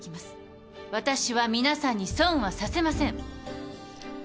私は皆さんに損はさせません。